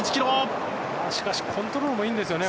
しかし、コントロールもいいんですよね。